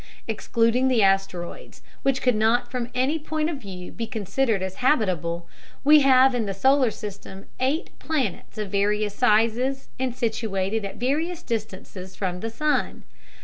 Excluding the asteroids, which could not from any point of view be considered as habitable, we have in the solar system eight planets of various sizes and situated at various distances from the sun.